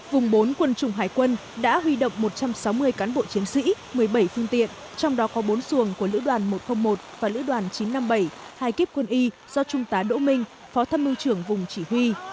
vùng bốn quân chủng hải quân đã huy động một trăm sáu mươi cán bộ chiến sĩ một mươi bảy phương tiện trong đó có bốn xuồng của lữ đoàn một trăm linh một và lữ đoàn chín trăm năm mươi bảy hai kiếp quân y do trung tá đỗ minh phó tham mưu trưởng vùng chỉ huy